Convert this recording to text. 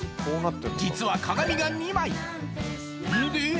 実は鏡が２枚んで？